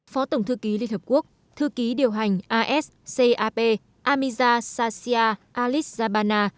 phó tổng thư ký liên hợp quốc thư ký điều hành s cap amida sanchia alitjabana